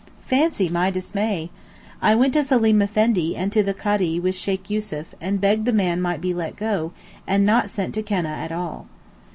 Fancy my dismay! I went to Seleem Effendi and to the Kádee with Sheykh Yussuf, and begged the man might be let go, and not sent to Keneh at all.